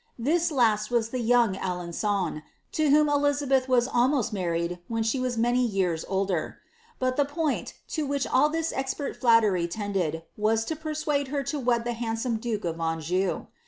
This last was the young Alen^on, to whom Eliiabeth was almost married when she was many years older ; but the poinLi to which all this expert tlattcry tended, was to persuade her to wttJ the handsome duke of Anjou.